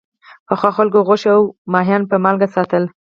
پخوا خلکو غوښه او کبان په مالګه ساتل.